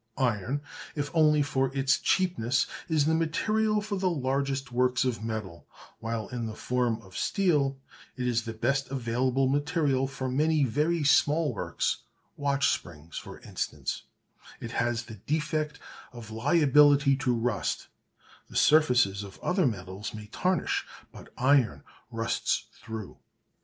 Iron, if only for its cheapness, is the material for the largest works of metal; while in the form of steel it is the best available material for many very small works, watch springs for instance: it has the defect of liability to rust; the surfaces of other metals may tarnish, but iron rusts through.